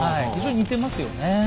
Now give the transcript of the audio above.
非常に似てますよね。